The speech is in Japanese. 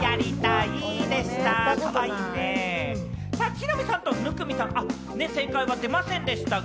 木南さんと生見さん、正解が出ませんでしたが。